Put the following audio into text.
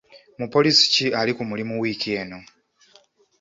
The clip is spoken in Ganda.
Mupoliisi ki ali ku mulimu wiiki eno?